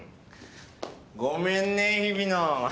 ごめんね日比野。